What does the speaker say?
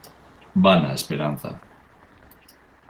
vana esperanza.